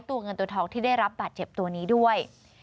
ตัวเงินตัวทองที่ได้รับบาดเจ็บตัวนี้ด้วย